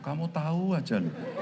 kamu tahu aja